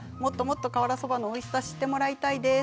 瓦そばのおいしさを知ってもらいたいです。